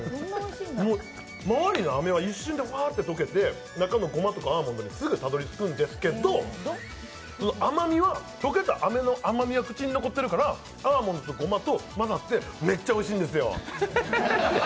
周りのあめは一瞬でふわっと溶けて、中のごまとかアーモンドにすぐたどり着くんですけど、甘みは、溶けたあめの甘みが口に残っているから、アーモンドとごまと混ざってめっちゃおいしいんですよ！